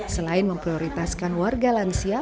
selain memprioritaskan warga lansia